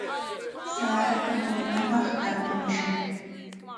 Sarata murunapaq qarpamushun.